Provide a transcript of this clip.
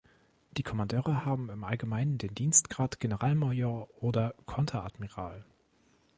Die Kommandeure haben im Allgemeinen den Dienstgrad Generalmajor oder Konteradmiral.